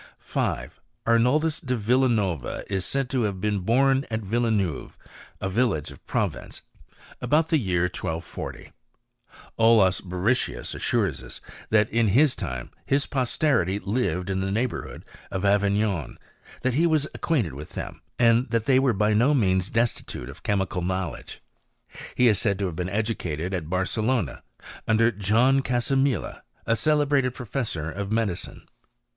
* 5. Amoldus de Villa Nova is said to have been bom at Villeneuve, a village of Provence, about the year 1240. Olaus Borrichius assures us, that in his time his posterity lived in the neighbourhood of Avig non; that he was acquainted with them, and that they were by no means destitute of chemical know ledge. He is said to have been educated at Barcelona, under John Casamila, a celebrated professor of medi cine.